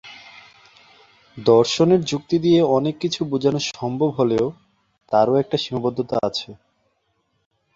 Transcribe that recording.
দর্শনের যুক্তি দিয়ে অনেক কিছু বোঝানো সম্ভব হলেও তারও একটা সীমাবদ্ধতা আছে।